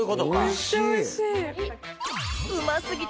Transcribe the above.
めっちゃおいしい！